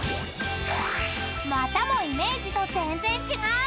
［またもイメージと全然違う！］